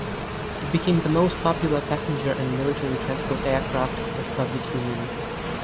It became the most popular passenger and military transport aircraft of the Soviet Union.